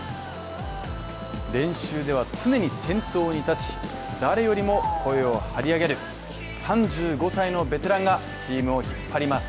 練習では常に先頭に立ち誰よりも声を張り上げる、３５歳のベテランがチームを引っ張ります。